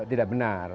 ya itu tidak benar